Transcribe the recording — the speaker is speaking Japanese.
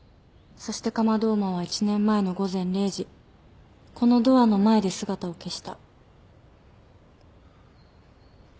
そしてカマドウマは１年前の午前０時このドアの前で姿を消した。